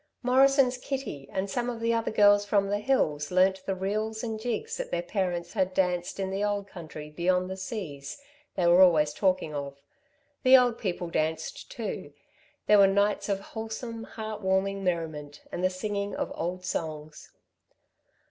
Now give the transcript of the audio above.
Morrison's Kitty and some of the other girls from the hills learnt the reels and jigs that their parents had danced in the country beyond the seas, they were always talking of. The old people danced too. There were nights of wholesome, heart warming merriment and the singing of old songs.